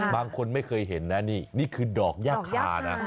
บางคนไม่เคยเห็นนะนี่นี่คือดอกย่าคานะ